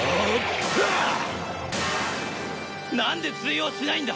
なんで通用しないんだ！